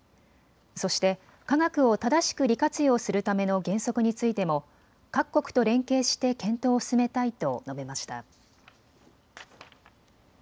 そして科学を正しく利活用するための原則についても各国と連携して検討を進めたいと述べました。